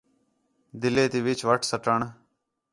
دِلہ تی وِچ وَٹ سَٹّݨ